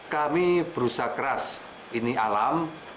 kami berusaha keras ini alam